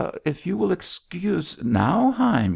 If you will excuse ' 'Nauheim!'